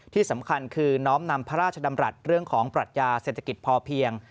ที่สำคัญคือน้อมนำพระราชดำรัฐเรื่องของปรัชญาเศรษฐกิจพอเพียง